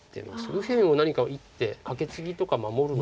右辺を何か一手カケツギとか守るのかな。